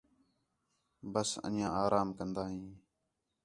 ٻس انڄیاں آرام کندا ہیں